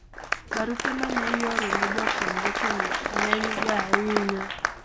Barupe ma ne ioro ne jofwamb weche ng'enyga ahinya.